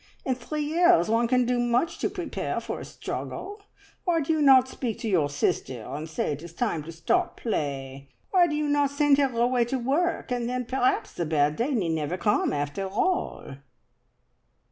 In three years one can do much to prepare for a struggle. Why do you not speak to your sister, and say it is time to stop play? Why do you not send her away to work, and then perhaps the bad day need never come after all?"